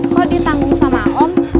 kok ditanggung sama om